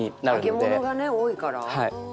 揚げ物がね多いから。